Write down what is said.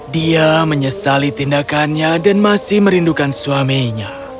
dia menyesali tindakannya dan masih merindukan suaminya